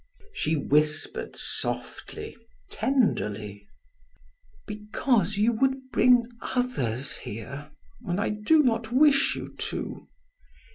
She whispered softly, tenderly: "Because you would bring others here, and I do not wish you to."